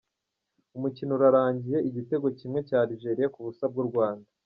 Umukino urarangiye igitego kimwe cya Algeria ku busa bw’u Rwanda.